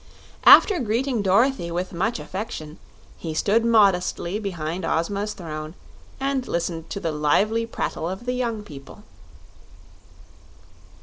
After greeting Dorothy with much affection, he stood modestly behind Ozma's throne and listened to the lively prattle of the young people.